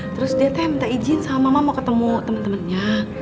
terus dia teh minta ijin sama mama mau ketemu temen temennya